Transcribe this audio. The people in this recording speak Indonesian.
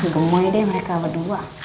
gemoy deh mereka berdua